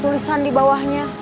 tulisan di bawahnya